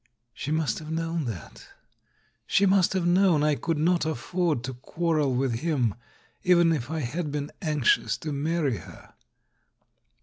She must have known that? She must have known I could not afford to quarrel with him, even if I had been enxious to marry her?